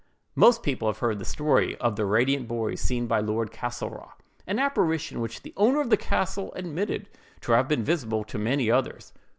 Most people have heard the story of the Radiant Boy seen by Lord Castlereagh—an apparition which the owner of the castle admitted to have been visible to many others.